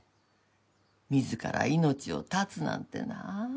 自ら命を絶つなんてなあ。